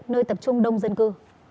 nơi tập trung đông dân cư